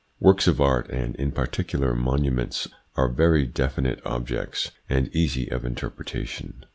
Works of art, and in particular monu ments, are very definite objects, and easy of interpre tation.